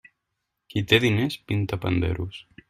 Qui té diners pinta panderos.